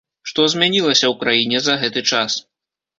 Што змянілася ў краіне за гэты час?